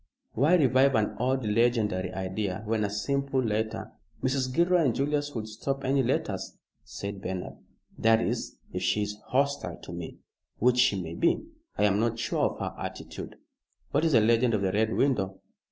"Why revive an old legendary idea when a simple letter " "Mrs. Gilroy and Julius would stop any letters," said Bernard, "that is, if she is hostile to me, which she may be. I am not sure of her attitude." "What is the legend of the Red Window?"